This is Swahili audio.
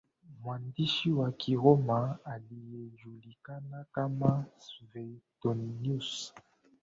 Mwandishi wa kiroma aliyejulikana kama Svetonius